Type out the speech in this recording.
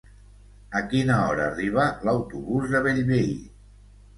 A quina hora arriba l'autobús de Bellvei?